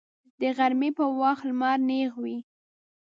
د غرمې په وخت لمر نیغ وي